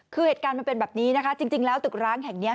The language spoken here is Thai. คือเหตุการณ์มันเป็นแบบนี้นะคะจริงแล้วตึกร้างแห่งนี้